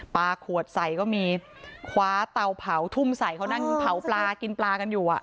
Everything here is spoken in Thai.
ปลาขวดใส่ก็มีคว้าเตาเผาทุ่มใส่เขานั่งเผาปลากินปลากันอยู่อ่ะ